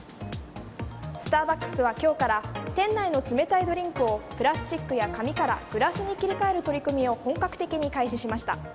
スターバックスは今日から店内の冷たいドリンクをプラスチックや紙からグラスに切り替える取り組みを本格的に開始しました。